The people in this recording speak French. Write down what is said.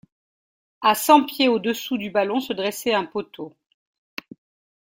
À cent pieds au-dessous du ballon se dressait un poteau.